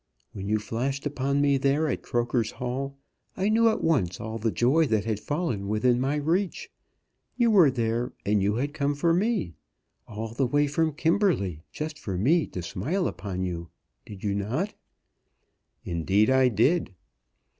When you flashed upon me there at Croker's Hall, I knew at once all the joy that had fallen within my reach. You were there, and you had come for me! All the way from Kimberley, just for me to smile upon you! Did you not?" "Indeed I did."